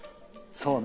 そうね。